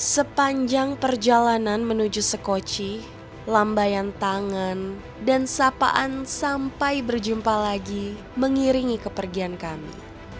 sepanjang perjalanan menuju sekoci lambayan tangan dan sapaan sampai berjumpa lagi mengiringi kepergian kami